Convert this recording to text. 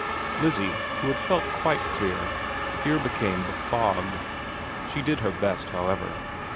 Lizzie, who had felt quite clear, here became befogged. She did her best, however.